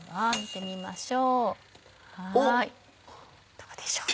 どうでしょうか？